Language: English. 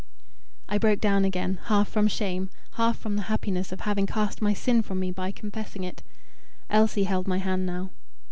I broke down again, half from shame, half from the happiness of having cast my sin from me by confessing it. Elsie held my hand now.